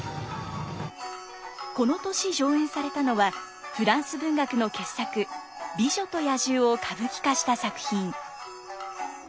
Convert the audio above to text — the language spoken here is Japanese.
この年上演されたのはフランス文学の傑作「美女と野獣」を歌舞伎化した作品。